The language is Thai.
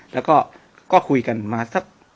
แล้วก็คุยกันมาสัก